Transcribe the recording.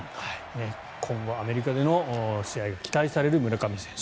今後、アメリカでの試合が期待される村上選手。